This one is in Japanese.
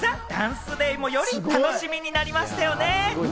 明日の『ＤＡＮＣＥＤＡＹ』も、より楽しみになりましたよね。